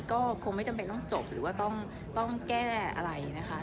ก็คงไม่จำเป็นต้องจบหรือว่าต้องแก้อะไรนะคะ